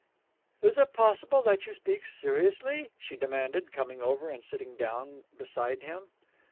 "Is it possible that you speak seriously?" she demanded, coming over and sitting down beside him.